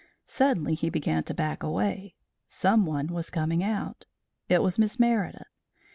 Suddenly he began to back away. Someone was coming out. It was Miss Meredith.